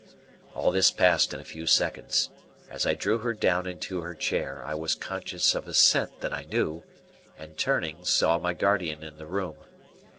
All this passed in a few seconds. As I drew her down into her chair, I was conscious of a scent that I knew, and turning, saw my guardian in the room.